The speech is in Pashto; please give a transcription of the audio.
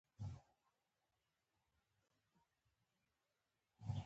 هغه د غرجستان یا اوسني هزاره جاتو څخه و.